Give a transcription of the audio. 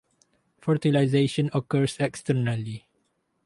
Fertilization occurs externally.